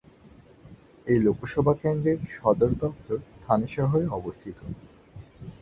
এই লোকসভা কেন্দ্রের সদর দফতর থানে শহরে অবস্থিত।